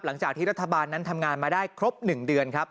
หลังจากที่รัฐบาลนั้นทำงานมาได้ครบ๑เดือนครับ